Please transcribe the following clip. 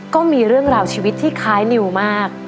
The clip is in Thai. ก็มีเรื่องราวชีวิตที่คล้ายนิวมาก